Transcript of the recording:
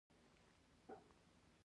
خو په ګواتیلا کې وضعیت یو څه متفاوت و.